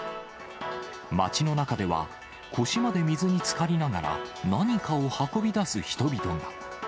街の中では、腰まで水につかりながら、何かを運び出す人々が。